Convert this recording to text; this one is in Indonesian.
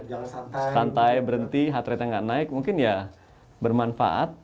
jalan santai berhenti heart rate nya nggak naik mungkin ya bermanfaat